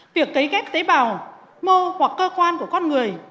việc cấy ghép tế bào mô hoặc cơ quan của con người